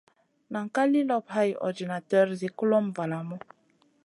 Nan ka li lop hay ordinater zi kulomʼma valamu.